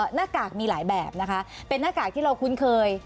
หน้ากากมีหลายแบบนะคะเป็นหน้ากากที่เราคุ้นเคย